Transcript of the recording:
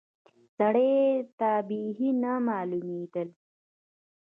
سړي ته بيخي نه معلومېدل.